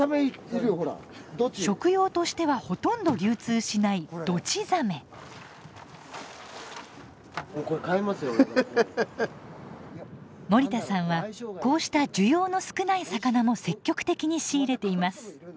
食用としてはほとんど流通しない森田さんはこうした需要の少ない魚も積極的に仕入れています。